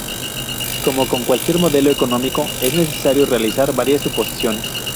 Como con cualquier modelo económico, es necesario realizar varias suposiciones.